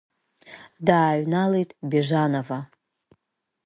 Дааҩналеит Бежанова.